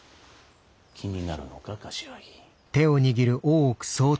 気になるのか柏木。